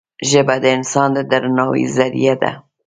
ژبه د انسان د درناوي زریعه ده